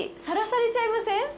さらされちゃいません？